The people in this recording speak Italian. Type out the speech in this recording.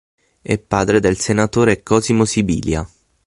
È padre del senatore Cosimo Sibilia.